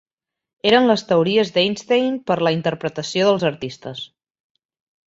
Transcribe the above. Eren les teories d'Einstein per a la interpretació dels artistes.